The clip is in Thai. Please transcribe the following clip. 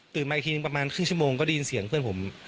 มาอีกทีนึงประมาณครึ่งชั่วโมงก็ได้ยินเสียงเพื่อนผม